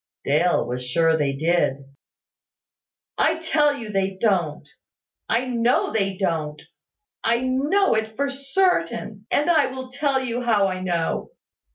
Dale was sure they did. "I tell you they don't. I know they don't. I know it for certain; and I will tell you how I know.